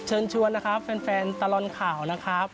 เชิญชวนนะครับแฟนตลอดข่าวนะครับ